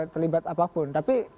terlibat apapun tapi